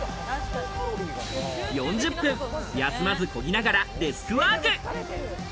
４０分休まず漕ぎながらデスクワーク。